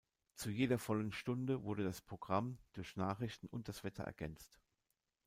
Zu jeder vollen Stunde wurde das Programm durch Nachrichten und das Wetter ergänzt.